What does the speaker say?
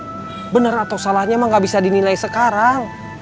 kan bener atau salahnya emang gak bisa dinilai sekarang